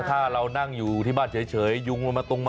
แล้วถ้าเรานั่งอยู่ที่บ้านเฉยยุงลงตรง